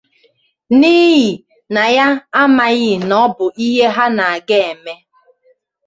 n'ihi na ya amaghị na ọ bụ ihe ha na-aga eme